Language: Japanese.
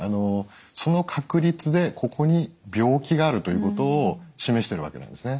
その確率でここに病気があるということを示してるわけなんですね。